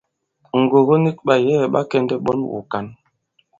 Ŋgògo nik, ɓàyɛ̌ɛ̀ ɓa kɛ̀ndɛ̀ ɓɔn wùkǎn.